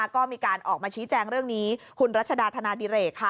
ก็มีการออกมาชี้แจงเรื่องนี้คุณรัชดาธนาดิเรกค่ะ